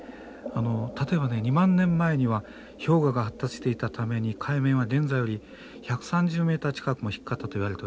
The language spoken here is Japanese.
例えばね２万年前には氷河が発達していたために海面は現在より１３０ｍ近くも低かったといわれております。